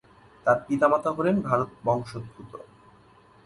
তার পিতামাতা হলেন ভারত বংশোদ্ভুত।